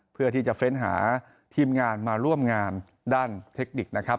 เพื่อที่จะเฟ้นหาทีมงานมาร่วมงานด้านเทคนิคนะครับ